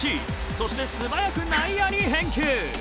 そしてすばやく内野に返球。